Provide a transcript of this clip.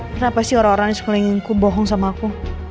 kenapa sih orang orang sekelilingku bohong sama aku